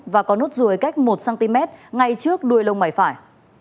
và có nốt ruồi cách một cm ngay trước đuôi lông mày phải